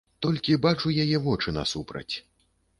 Толькі бачу яе вочы насупраць.